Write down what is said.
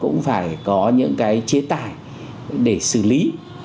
cũng phải có những cái chế tài để xử lý